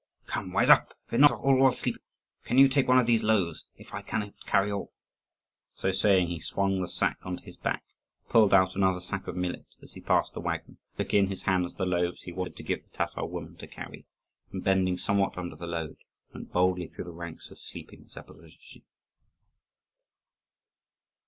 "Come, rise up. Fear not, all are sleeping. Can you take one of these loaves if I cannot carry all?" So saying, he swung the sack on to his back, pulled out another sack of millet as he passed the waggon, took in his hands the loaves he had wanted to give the Tatar woman to carry, and, bending somewhat under the load, went boldly through the ranks of sleeping Zaporozhtzi.